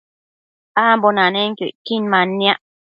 ambo nanenquio icquin manniac